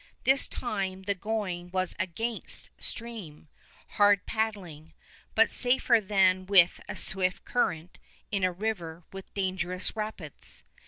This time the going was against stream, hard paddling, but safer than with a swift current in a river with dangerous rapids.